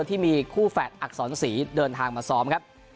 ที่มีคู่แฝดอักษรศรีเดินทางมาซ้อมครับ